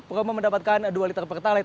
promo mendapatkan dua liter pertalite